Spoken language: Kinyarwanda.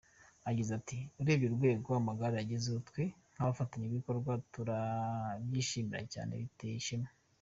agize ati “Urebye urwego amagare agezeho, twe nk’abafatanyabikorwa turabyishimira cyane, biteye ishema.